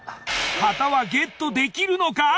旗はゲットできるのか！？